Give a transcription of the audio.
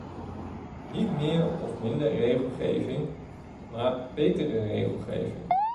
Niet meer of minder regelgeving, maar betere regelgeving.